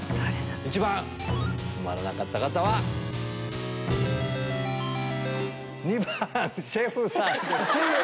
一番つまらなかった方は⁉２番シェフさんです！